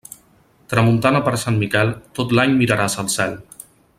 Tramuntana per Sant Miquel, tot l'any miraràs al cel.